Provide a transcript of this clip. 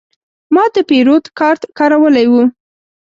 ما د پیرود کارت کارولی و.